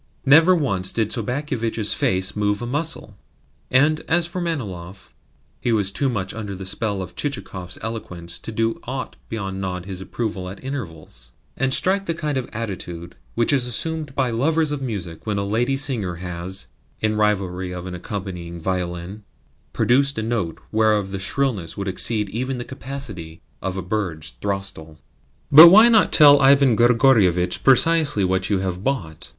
Never once did Sobakevitch's face move a muscle, and, as for Manilov, he was too much under the spell of Chichikov's eloquence to do aught beyond nod his approval at intervals, and strike the kind of attitude which is assumed by lovers of music when a lady singer has, in rivalry of an accompanying violin, produced a note whereof the shrillness would exceed even the capacity of a bird's throstle. "But why not tell Ivan Grigorievitch precisely what you have bought?"